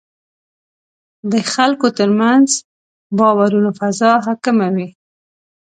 د خلکو ترمنځ باورونو فضا حاکمه وي.